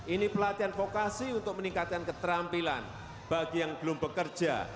ini pelatihan vokasi untuk meningkatkan keterampilan bagi yang belum bekerja